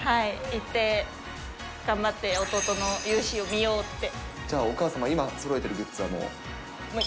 行って、頑張って弟の雄姿をじゃあ、お母様は今、そろえてるグッズはもう？